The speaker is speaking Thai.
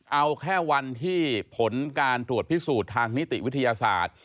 เอาแค่วันที่ผลการตรวจพิสูจน์ทางนิติวิทยาศาสตร์